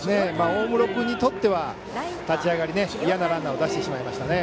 大室君にとっては立ち上がり、嫌なランナー出してしまいましたね。